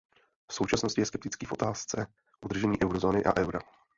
V současnosti je skeptický v otázce udržení Eurozóny a Eura.